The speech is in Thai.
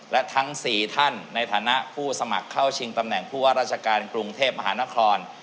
และทั้ง๔ท่านในฐานะผู้สมัครเข้าชิงตำแหน่งผู้ว่าราชการกรุงเทพมหานคร